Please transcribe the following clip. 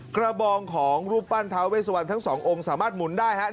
กระบองของรูปปั้นเท้าเวสุวรณทั้ง๒องค์สามารถหมุนได้ฮะ